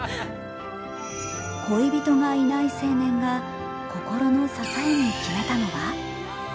恋人がいない青年が心の支えに決めたのは？